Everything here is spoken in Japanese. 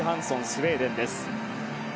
スウェーデンです。